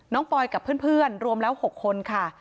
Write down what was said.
ปอยกับเพื่อนรวมแล้ว๖คนค่ะ